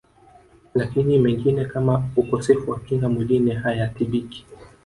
Lakini mengine kama Ukosefu wa Kinga Mwilini hayatibiki